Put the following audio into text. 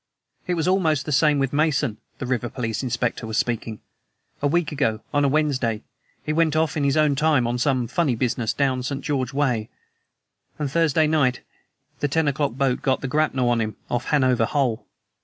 "It was almost the same with Mason." The river police inspector was speaking. "A week ago, on a Wednesday, he went off in his own time on some funny business down St. George's way and Thursday night the ten o'clock boat got the grapnel on him off Hanover Hole.